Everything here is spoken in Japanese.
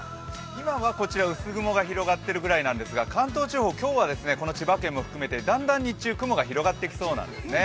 今はこちら、薄雲が広がっているくらいですが、関東地方今日はこの千葉県も含めて雲が広がってきそうなんですね。